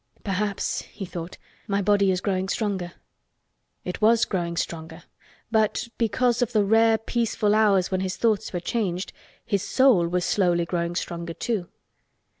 "Perhaps," he thought, "my body is growing stronger." It was growing stronger but—because of the rare peaceful hours when his thoughts were changed—his soul was slowly growing stronger, too.